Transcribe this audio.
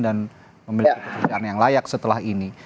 dan memiliki pekerjaan yang layak setelah ini